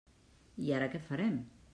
I ara què farem?